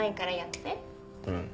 うん。